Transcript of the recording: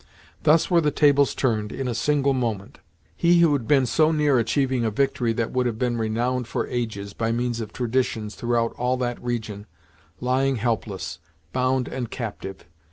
Thus were the tables turned, in a single moment; he who had been so near achieving a victory that would have been renowned for ages, by means of traditions, throughout all that region, lying helpless, bound and a captive.